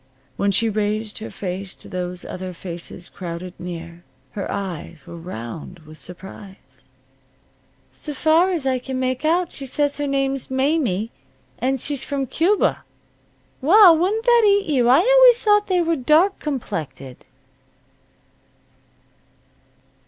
When she raised her face to those other faces crowded near, her eyes were round with surprise. "'S far's I can make out, she says her name's Mamie, and she's from Cuba. Well, wouldn't that eat you! I always thought they was dark complected."